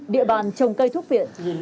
địa bàn trồng cây thuốc viện